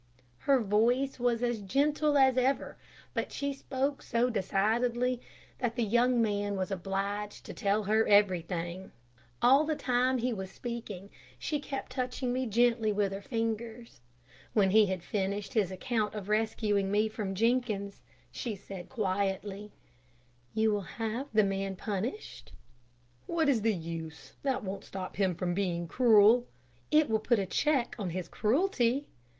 Her voice was as gentle as ever, but she spoke so decidedly that the young man was obliged to tell her everything. All the time he was speaking, she kept touching me gently with her fingers. When he had finished his account of rescuing me from Jenkins, she said, quietly: "You will have the man punished?" "What is the use? That won't stop him from being cruel." "It will put a check on his cruelty."